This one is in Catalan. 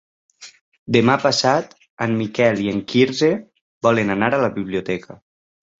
Demà passat en Miquel i en Quirze volen anar a la biblioteca.